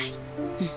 うん。